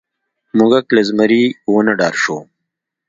موږک له زمري ونه ډار شو.